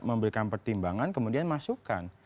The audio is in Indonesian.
memberikan pertimbangan kemudian masukkan